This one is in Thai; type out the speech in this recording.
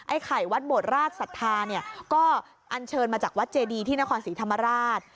ไข่วัดโบดราชศรัทธาเนี่ยก็อันเชิญมาจากวัดเจดีที่นครศรีธรรมราช